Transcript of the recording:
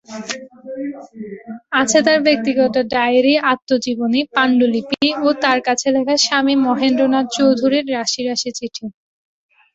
আছে তার ব্যক্তিগত ডায়েরি, আত্মজীবনী, পান্ডুলিপি ও তার কাছে লেখা স্বামী মহেন্দ্র নাথ চৌধুরীর রাশি রাশি চিঠি।